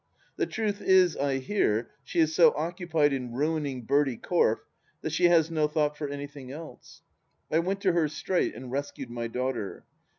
The truth is, I hear, she is so occupied in ruining Bertie Corfe that she has no thought for anything else. I went to her straight and rescued my daughter.